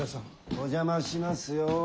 お邪魔しますよ。